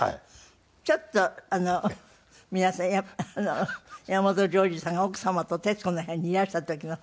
ちょっと皆さんあの山本譲二さんが奥様と『徹子の部屋』にいらした時の。